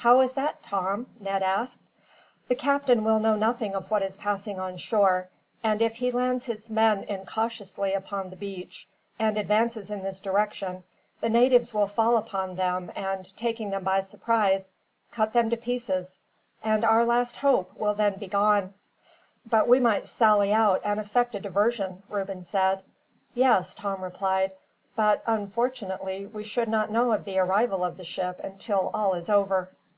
"How is that, Tom?" Ned asked. "The captain will know nothing of what is passing on shore; and if he lands his men incautiously upon the beach, and advances in this direction, the natives will fall upon them and, taking them by surprise, cut them to pieces; and our last hope will then be gone." "But we might sally out and effect a diversion," Reuben said. "Yes," Tom replied; "but, unfortunately, we should not know of the arrival of the ship until all is over."